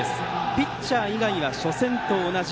ピッチャー以外は初戦と同じ。